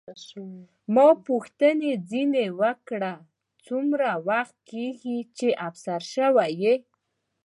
ما پوښتنه ځیني وکړه، ته څومره وخت کېږي چې افسر شوې یې؟